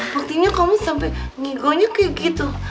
berarti kamu sampai ngigonya kayak gitu